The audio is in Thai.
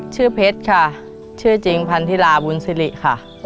เพชรค่ะชื่อจริงพันธิลาบุญสิริค่ะ